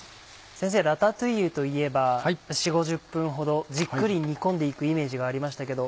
先生ラタトゥイユといえば４０５０分ほどじっくり煮込んで行くイメージがありましたけど。